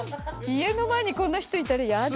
家の前にこんな人いたら嫌だ。